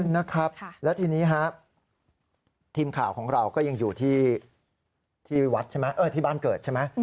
นะครับแล้วทีนี้ฮะทีมข่าวของเราก็ยังอยู่ที่บ้านเกิดใช่ไหม